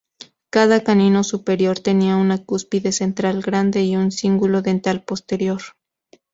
Cada canino superior tenía una cúspide central grande y un cíngulo dental posterior.